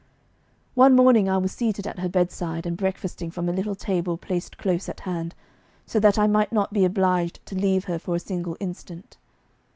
One morning I was seated at her bedside, and breakfasting from a little table placed close at hand, so that I might not be obliged to leave her for a single instant.